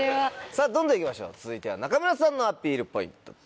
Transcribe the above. さぁどんどん行きましょう続いては中村さんのアピールポイントです。